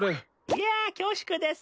いや恐縮です。